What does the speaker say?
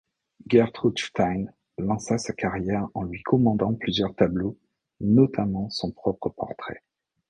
Gertrude Stein lança sa carrière en lui commandant plusieurs tableaux, notamment son propre portrait.